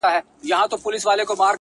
خو دده زامي له يخه څخه رېږدي _